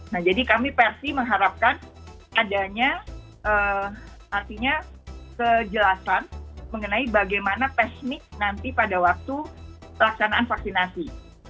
nah jadi kami persi mengharapkan adanya artinya kejelasan mengenai bagaimana teknik nanti pada waktu pelaksanaan vaksinasi